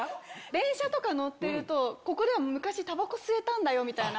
電車とか乗ってると、ここでは昔たばこ吸えたんだよみたいな。